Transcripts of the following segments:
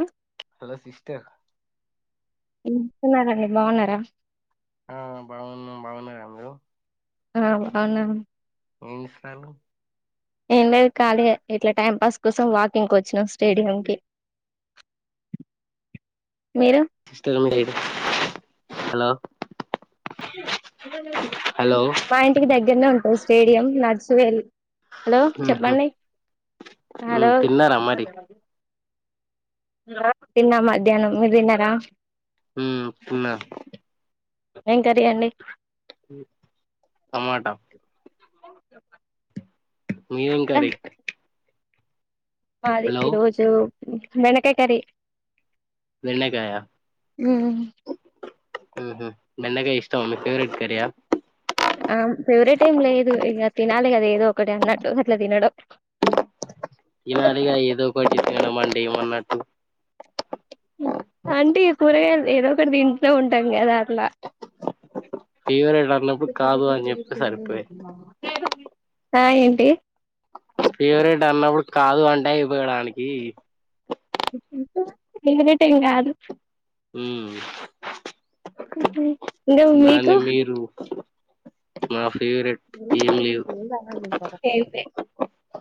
ఆహ్. Hello sister. ఎట్లున్నారండి బాగున్నారా. ఆహ్ బడింది పడలేదా మీకు. ఆహ్ అవునా. ఏం చేస్తున్నారు ఏం లేదు ఖాళీయే ఇట్లా టైం పాస్ కోసం వాకింగ్కి వచ్చినాం స్టేడియం కి. ఆహ్. [unintelligible] లేదు హలో. అ [unintelligible] హలో మా ఇంటికి దగ్గరనే ఉంటుంది స్టేడియం నర్చవ వె హలో ఉహు, చెప్పండి ఉమ్, హలో తిన్నారా మరి తిన్నా మధ్యాహ్నం మీరు తిన్నారా హ పునా ఏం కరండి టమాటా మీ ఏం కే ఆ! మాది ఈ రోజు వెనకాయ కర్రీ బెండకాయ హ్మ్. బెండకాయ మీకు ఇష్టమా ఫేవరెట్ కర్రీ ఆ ఆ ఫివరెట్ ఏం లేదు ఇక తినాలి కదా ఏదో ఒకటి అన్నట్టు అట్లా తినడం ఇనాదిగా ఎద కొటి తడుమండి మన్న అంటే కూరగాయ ఏదో ఒకటి తింటతూ ఉంటాం కదా అట్లా ఫేవరెట్ అన్నప్పుడు ర కాదు అని చెప్తే మన సరిపోయే ఆ ఏంటి ఫేవరెట్ అన్నప్పుడు కాదు అంటే ఇపోయడానికి ఫేవరెట్ ఇం అదు హ ఇంకా మీకు దాన్ని మీరు మా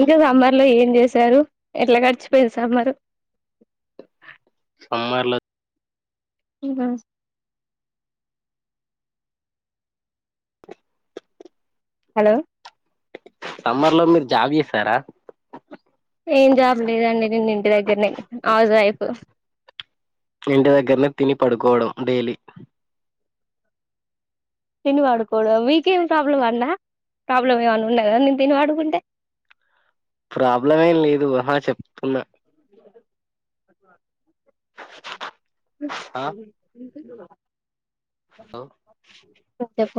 ఇంకా సంబ లో ఏం చేశారు ఎట్లా గడిచిపో సా మరు సోమవార్లో ఇక హలో సమ్మర్ లో మీరు జాబ్ చేస్తారా ఏం జాబ్ లేదండి నేను ఇంటి దగ్గరనే హౌస్ వైఫ్ ఇంటి దగ్గరనే తిని పడుకోవడం డైలీ తిని వాడుకోడ వీకేం ప్రాబ్లం అన్న ప్రాబ్లమ్ ఏమైన్నా ఉన్నాయి కదా నేను తినివాడుకుంటే [inaudible] ప్రాబ్లం ఏం లేదుహా చెప్తున్నా ఆ [unintelligible] హలో స చెప్ప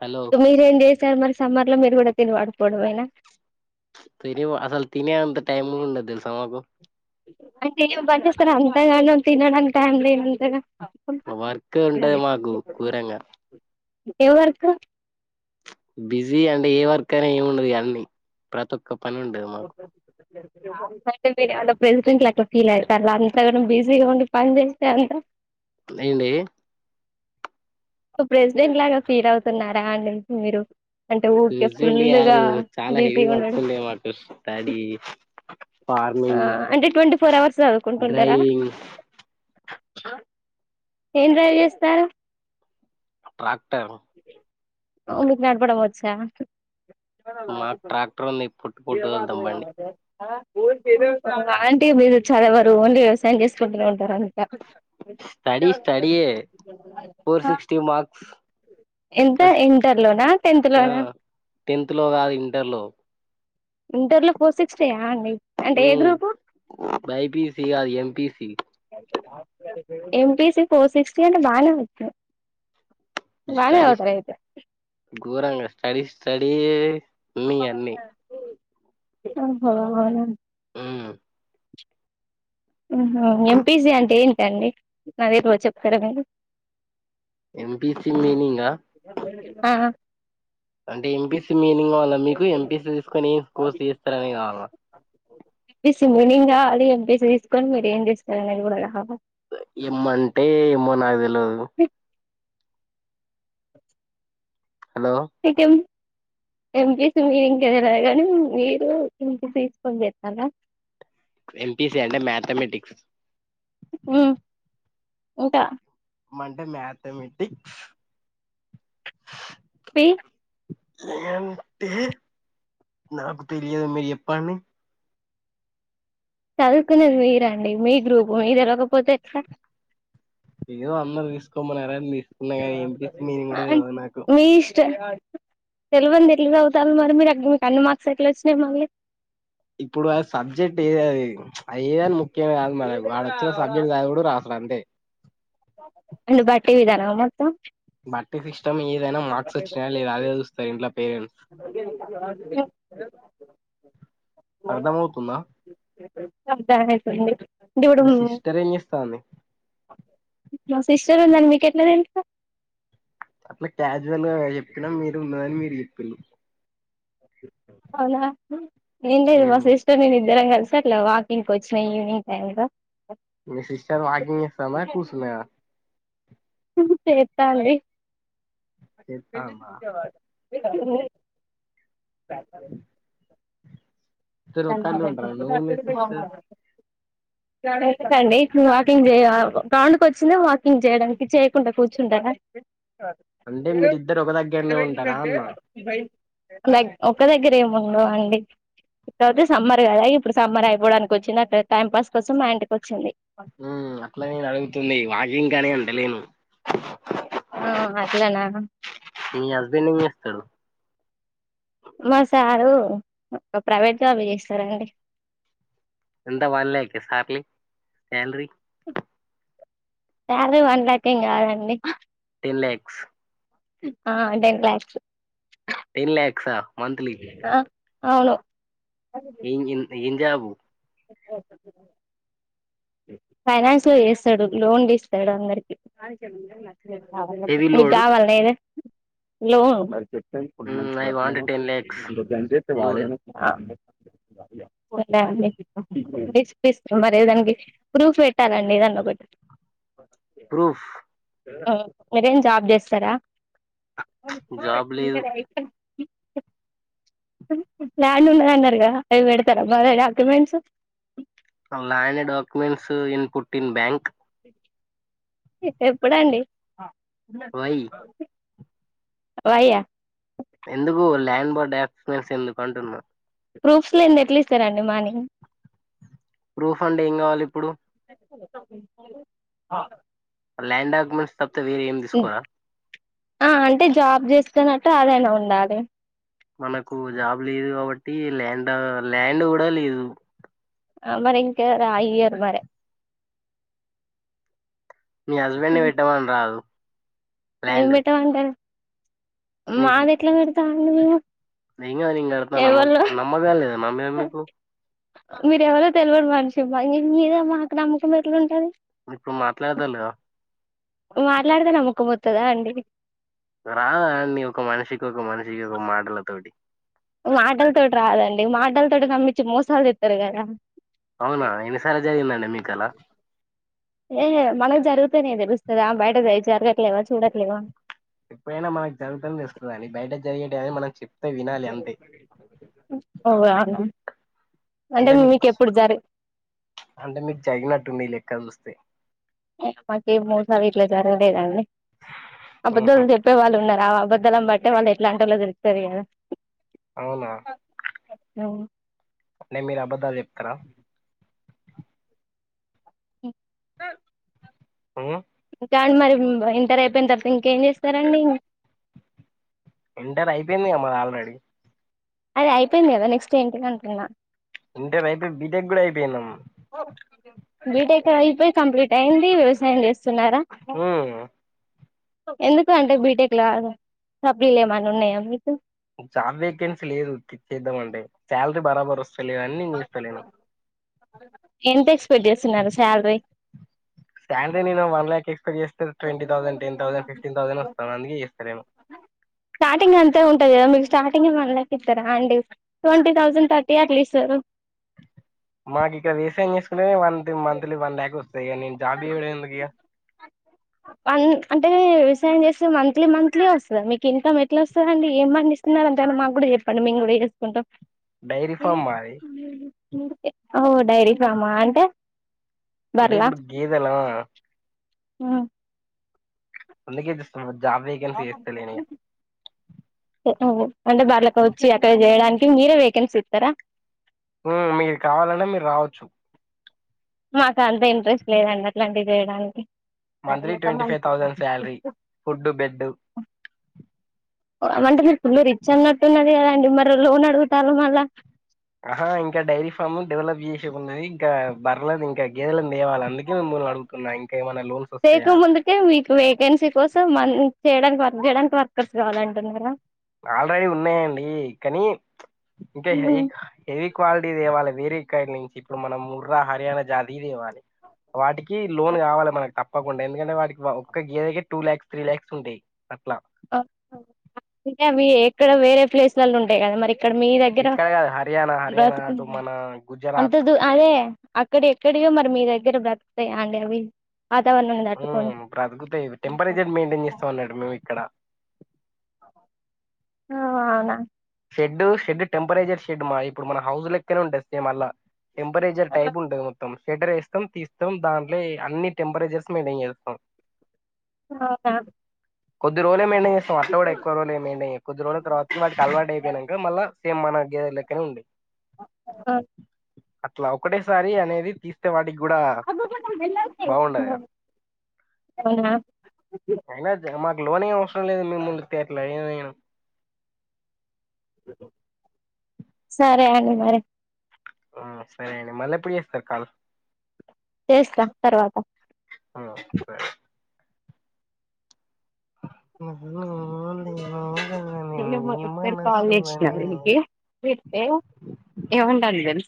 హలో మీరేం చేసారు మరి సమ్మర్ లో మీరు కూడా తిినవాకపోవడం అనా తని అసలు తని అంత టైమ్ ఉండ తెలు స మాకు అంటే ఏమి పనిేస్తారు అంతగా నువు తినడానికి టైం లేమంతగా వర్క్ ఉండ మాకు కూరంగా ఎవర్కు బిజీ అంటే ఏ వర్క్ అయినా ఏమిండదు అన్నీ ప్రతి ఒక్క పని ఉండది మాకు అంటే మీరు అ ప్రెసిడెంట్లు అక్కడ ఫీల్ అవుతారు అంత బిజీగా ఉండి పని చేస్తే అంత ఏ లే ప్రెసిడెంట్ లాగా ఫీల్ అవుతున్నారా అండి మీరు అంటే ఊరికే ప్రిసిడెంట్ ఫుల్గా కాదు చాలా హెవీ బిజీగా వర్క్స్ ఉండడం ఉంది మాట స్డ అంటే ట్వంటీ ఫోర్ అవర్స్ చదువుకుంటుంటారా డ్రైవింగ్ ఏం డ్రైవ్ చేస్తారు ట్రాక్టర్ ఓ నీకు నపడం వచ్చా మాకు ట్రాక్టర్ ఉంది పొట్టు పొట్టు వెళ్తాం బండి ఏవత్ర అంటే మీరు చదవరు ఓన్లీ వ్యవసాయం చేసుకుంటూనే ఉంటారంట స్టడీ స్టడి యే ఫోర్ సిక్స్టీ మార్క్స్ ఎంత ఫస్ట్ ఇంటర్ లోనా టెన్త్ ఆ లోనా టెన్త్ లో కాదు ఇంటర్ లో ఇంటర్ లో ఫోర్ సిక్స్టీయా అండి అంటే ఏ ఉమ్ గ్రూపు బైపీసీ కాదు ఎంపీసీ ఎంపీసి ఫోర్ సిక్స్టీ అంటే బానే వ స్టడీస్ గోరంగా స్టడీ స్టడీయే ఓహో అవునా ఉమ్ ఎంపీసి అంటే ఏంటండి నాక్ తెల్వదు చెప్తారా మీరు ఎంపిసి మీనింగ్ ఆ అంటే ఎంపీసి మీనింగ్ కావాలా మీకు ఎంపీసి తీసుకొని ఏం కోర్స్ చేస్తారనే కావాలా ఎంపీసి మీనింగ్ గావాలి ఎంపీసీ తీసుకొని మీరు ఏం చేస్తారనేది కూడా కావాలి ఏమ్ అంటే ఏమ్మో నాకి తెల్వదు హలో ఇకం ఎంపీసి మీనింగ్ తెలిలేగాని మీరు ఏం పి సి తీసుకొని చేస్తారా ఎంపీసి అంటే మ్యాథమెటిక్స్ ఉ ఇంకా ఏం అంటే మాథమెటిక్స్ పి ఏంటి నాకు తెలియదు మీరు చెప్పండి చదువుకున్నది మీరండి మీ గ్రూపు మీ తెరవకపోతే ఎట్ల ఏదో అందరు తీసుకోమన్నారు మీర్ అన్ మీష్ తెలివనిది ఎట్ల చదువుతాన్లు మరి మీరు మీకు అన్ని మార్క్స్ ఎట్లా వచ్చినాయి మళ్ళీ ఇప్పుడు అ సబ్జెక్ట్ ఏది అది అది ఏ అనుము ముఖ్యం కాదు మన వాళ వచ్చిన సబ్జెక్ట్ చదువుడు రాసుడు అంతే అంటే బట్టి విధానమా మొత్తం బట్టి సిస్టమ్ ఏదైనా మార్క్స్ వచ్చినాయా లేదా అదే చూస్తారు ఇంట్లో పేరెంట్స్ అర్ధమవుతుందా అర్థం అయితుంది దూడుం మీ సిస్టర్ ఏం చేస్తాంది మా సిస్టర్ మరి మీకెట్ల తెల్సు అట్లా క్యాజువల్ గా చెప్పినా మీరు ఉండదని మీరు చెప్పిళు అవునా నెన్ లే ఉమ్. రివర్స్ ఎష్న నేన్ ఇద్దరం కలిసి అట్లా వాకింగ్ వచ్చినాయి ఈవినింగ్ టైమ్లో మీ సిస్టర్ వాకింగ్ చేస్తాంద కుర్సుంద చెత్తాంది చేస్తాందా త ఇద్దరు బ ఒకాన్నే ఉంటారా నువ్వు మీ సిస్టర్ యెట్లండి వాకింగ్ చేయ గ్రౌండ్కి వచ్చిందే వాకింగ్ చేయడానికి చేయకుండా కూర్చుంటార అంటే మీరిద్దరు ఒక దగ్గరనే ఉంటారా అన్న లైక్ ఒక దగ్గరే ఏముండ అండి ఇకతే సమ్మర్ కదా ఇప్పుడు సమ్మర్ అయిపోవడానికి వచ్చింది టైం పాస్ కోసం మా ఇంటికి ఓచ్చింది హ్మ్ అట్ల నేన్ అడుగుతుంది వాకింగ్ అని అంటలేను హ్మ్ అట్లనా తడు మా సారు ప్రైవేట్ జాబ్ చేస్తారండి అంత వల్లే ఇస్తర salary salary salary one lakh ఏం కాదండి టెన్ ల్యాక్స్ ఆ టెన్ ల్యాక్స్ టెన్ ల్యాక్సా మంత్లీ అవును ఏ ఏం జాబు [unintelligible] ఫైనాన్స్ లో చేస్తాడు లోన్లుస్తడు అందరికి హెవీ లోడ్ ముగ్గవల్న లోనూ చెప్పేను కొన్ని మనిషి ఐ వాంట్ పెడతలేను టెన్ ల్యాక్స్ ఇంకా కొన్ చేపటికి లోన్ వాడేయను ఒకే అండి పిస్ పీస్ మరేదండి ప్రూఫ్ పెట్టాలండి ఏదన్న ఒకటి ప్రూఫ్ మీరేం జాబ్ జెస్తర జాబ్ లేదు ల్యాండ్ ఉన్నద అన్నారుగా అవి పెడతారా బాగా డాక్యుమెంట్స్ అ ల్యాండ్ డాక్యుమెంట్స్ ఇన్ పుట్టిన్ బ్యాంక్ ఎప్పుడండి వై వయ్య ఎందుకు ల్యాండ్ బార్డ్ డాక్యుమెంట్స్ ఎందుకు అంటున్నా ప్రూఫ్స్ లేంది ఎట్ల ఇస్తారండి మానీ ప్రూఫ్ అంటె ఏం కావాలి ఇప్పుడు ఆ ల్యాండ్ డాక్యుమెంట్స్ తప్తే వేరే ఏం తీసుకోరా ఆ అంటే జాబ్ చేస్తూన్నట్టు అదైన ఉండాలే మనకు జాబ్ లేదు కాబట్టి ల్యాండా ల్యాండ్ కూడ లేదు ఆ మరి ఇంకా రా ఇయ్యారు మరి మీ హస్బెండ్ ని పెట్టామని రాదు ఎం ల్యాండ్ పెట్టమంటరు మీకు మాది ఎట్ల పెడతామండి మేము ఏం గాదు నేను కడతాన్ అమౌంట్ ఎవలో నమ్మకా లేద నా మీద మీకు మీరెవరో తెలివరు మనిషిమ్మా మీద మాకు నమ్మకం ఎట్ల ఉంటది ఇప్పుడు మాట్లాడదల్లా మాట్లాడితే నమ్మకపోతదా అండి రాదా అని ఒక మనిషికి ఒక మనిషికి ఒక మాటల తోటి మాటలతోటి రాదండి మాటలతోటి నమ్మిచ్చి మోసాలు చెత్తరు కదా అవునా ఎన్నిసార్లు జరిగిందండి మీకు అలా ఏహే మన జరి జరుగుతనే తెలుస్తద ఆ బయట వెయ్యి జరగట్లేవా చూడట్లేదా ఎప్పుడైనా మనక్ జంతన్ నీస్తదండి బైట జరిగేటేయని మనం చెప్ ఉ ఓ రాను అంటే మీక్ అంటే మీక్ జగినట్టుంది ఈ మీ లెక్క చూస్తే ఉమ్ మాకేం మోసాలిట్ల జరగలేదండి ఉహు అబద్ధాలు చెప్పే వాళ్ ఉన్నార ఆ అబద్దాలమ్ బట్టే వాళ్ ఎట్లాంటోళ్ దేలుస్తది గదా ఔనా ఔవును నే మీర్ అబద్ధాలు జెప్ తర ఉహ్ క్యాండు మరిమ్ బ్ ఇంటర్ ఐపేన్ తర్తా ఇంకేం చేస్తారండి ఇంటర్ ఐపెందిగా మాద్ ఆల్ రేడీ అదే ఐపెంది గా నెక్స్ట్ ఏంటి దంటున్నా ఇంట రైపై బీటెక్ గూడా ఐపేయ్ నాం హబ్ బీటెక్ ఐపై కంప్లీట్ ఐది వ్యవసాయం జెస్ సున్నారా ఉమ్ ఎందుకంటే బీటెక్ ల సప్లిల్ ఏమన్న ఉన్నయ మీకు జాబ్ వేకెన్సీ లేదు చేద్దాంమంటే సాల్ రీ బరాబర్ ఓస్ ఎంతేస్పేక్స్ జేస్తున్నారు సాల్ రీ సాల్ రి నేను వన్ ల్యాకే కోయేస్ జేస్తవ్ twenty thousand ten thousand fifteen thousand ను నొస్తన్ అందుకే జెస్తలేను స్టాట్టింగ్ అంతే ఉంటంది కదా మీక్ స్టాట్టింగ్ వన్ ల్యాక్ ఇస్తారాండి ట్వంటీ థౌసెండ్ థర్టీ అట్ల ఇస్తరు మాక్ ఇక్కడ వేసాయమ్ చేసుకునేదే మంతి మంత్లీ వన్ ల్యాక్ ఓస్ తెగ నేన్ జాబ్ జేయుడు ఎందుకిగా అన్ అంటే వేవ్ సాయం జేస్తే మంత్లీ మంత్లీ వస్తది మీక్ ఇంకామ్ ఎట్లోస్తదండి ఏం పండిస్ న్నార్ కాలంటే మాగూడా చెప్పండి మేమ్ గూడా ఏసుకుంటమ్ డైరి ఫామ్ మాది ఇందుకే ఓ డైరీ ఫామ్ ఆ అంటే అంటే ఇపుడు గేదె లా ఉమ్ అందుకేదేస్సన్ జాబ్ వేకన్సి ఎస్తాలెన్ ఇగ ఏ ఓ అంటే బర్లేకోవొచ్చి అక్కడ జేయడానికి మీరే వేకెన్సీ ఇత్తరా ఉమ్ మీ కావాలంటే మీర్ రావ్వొచ్చు మాక్ అంత ఇంట్రెస్ట్ లేదండి అట్లాంటి జేయ్ డానికి సర్ మంత్లీ లేతే ట్వంటీ ఫైవ్ మంచి హ్ థౌసండ్ శాలరీ ఫుడ్ బెడ్ హ్ ఓ వంటే మీర్ మీర్ రిచ్ అన్నట్టున్నది కదండి మరి లోన్ అడుగూతాలు మళ్ళా ఆహా ఇంకా డైరీ ఫామ్ డెవలప్ జేసే ఉన్నది ఇంకా బర్లని ఇంకేగ్ గేదెలన్ దేవాల అందుకే మిమ్మల్ అడుగూతున్నా ఇంకా ఏమైనా లోన్స్ ఓస్తయా అని తూ వేకెన్సీ కోసం మన్ చేయ్ డానికి వర్గ్ జేయ్ డానికి వర్కర్స్ గావాలంటున్నారా ఆల్రెడీ ఉన్నాయండి కానీ ప్చ్ ఇంకా హెక్ హెవీ క్వాలిటీదేవాలా వేరే కైడ్ నుంచి ఇప్పుడు మనం ముర్రా హర్యానా జాతిదేవాలి వాటికి లోన్ గావాలే మనకి తప్పకుండా ఎందుకంటే వాటికి వావ్ ఒక గేదెకే టూ ల్యాక్స్ త్రి ల్యాక్స్ ఉంటాయ్ అట్లా ఆ హ విటవి ఎక్కడ వేరే ప్లేస్లలో ఉంటాయ్ కదా మరి ఇక్కడ మీ దగ్గర ఇక్కడ కాదు హర్యానా హర్యానా బ్రతుకు అటు మన అంత గుజరాత్ దూ అదే అక్కడేక్కడియ మరి మీ దగ్గర బ్రతుకుతయ అందరివి బ్రతుకుతాయి టెంపరేచర్ మెయింటైన్ చేస్తామంనట్టు మేము ఇక్కడ ఆవ్నా షెడ్ షెడ్ టెంపరేచర్ షెడ్ మా ఇప్పుడు మన హౌజ్ లక్కనే ఉంటుంది సేమ్ అలా టెంపరేజర్ టైప్ ఉంటది మొత్తం షెడర్ వేస్తాం తీస్తాం దాంట్లో అన్ని టెంపరేచర్స్ మెయింటైన్ చేస్తాం నో మ్యామ్ కొద్ది రోజులే మెయింటేన్ చేస్తం అట్ల కూడా ఎక్కువ రోజులు ఎం ఎం ఎయ్యం కొద్ది రోజుల తర్వాత వాటికి అలవాటు అయ్ మళ్ళా సేమ్ మన గేధలెక్కనే ఉండే ఆ అట్లా ఒకటేసారి అనేది తీస్తే వాటి అబ్బబ్బ వెళ్ళాలి తి అవునా లోనేం అవసరం లేదు మి ముందు తర్లే ఐనం సరే అండి మరి సరే అండి మళ్ళ ఎప్పుడు చేస్తరు కాల్ చేస్తా తర్వాత ఆ, సరే న నేను ఒకసారి కాల్ చేసిన వీడికి చేస్తే ఏం అంటుండు తెల్సా